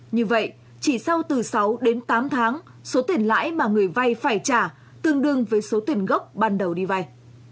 như vậy chỉ sau từ sáu đến tám tháng số tiền lãi mà người vay phải trả tương đương với số tiền gốc ban đầu đi vay